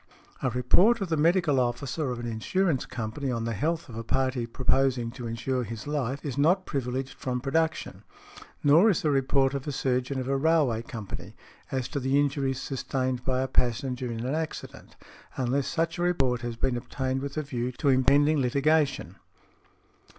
A report of the medical officer of an insurance company on the health of a party proposing to insure his life is not privileged from production; nor is the report of a surgeon of a railway company, as to the injuries sustained by a passenger in an accident, unless such a report has been obtained with a view to impending litigation .